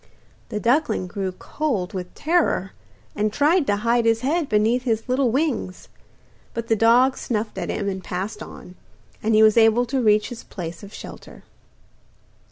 The duckling grew cold with terror, and tried to hide his head beneath his little wings; but the dog snuffed at him and passed on, and he was able to reach his place of shelter.